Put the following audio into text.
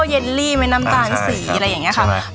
เยลลี่มะน้ำตานศรีอะไรอย่างเงี้ยครับใช่มั้ย